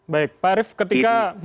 baik pak arief ketika